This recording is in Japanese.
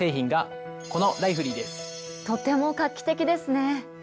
とても画期的ですね。